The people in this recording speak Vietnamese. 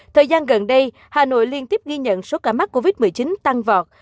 thời gian gần đây hà nội liên tiếp ghi nhận số ca mắc covid một mươi chín tăng vọt